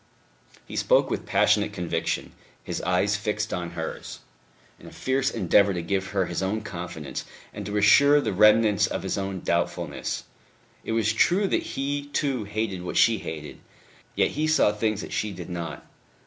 He spoke with passionate conviction, his eyes fixed on hers, in a fierce endeavour to give her his own confidence, and to reassure the remnants of his own doubtfulness. It was true that he too hated what she hated, yet he saw things that she did not....